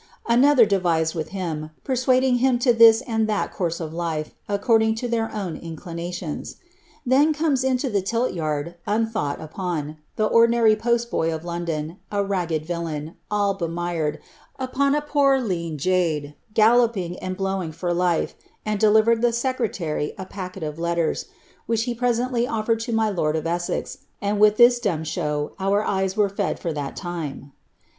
Another devised with him, persuading him to this and that course of life, according to their own inclinations. Then eomes into the tilt yard, unthought upon, the ordinary post boy of Lon don, a ragged villain, all bemired, upon a poor, lean jade, galloping and blowing for life, and delivered the secretary a packet of letters, which he presently ofl^red to my lord of Essex, and with this dumb show our eyes were fed for that time.